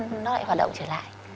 nó lại hoạt động trở lại